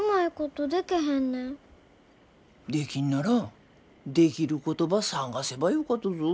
できんならできることば探せばよかとぞ。